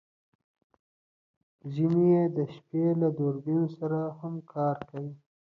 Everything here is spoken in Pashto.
ځینې یې د شپې له دوربین سره هم کار کوي